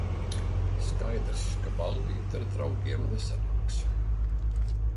Skaidrs, ka ballīte ar draugiem nesanāks.